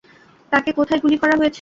তাকে কোথায় গুলি করা হয়েছে?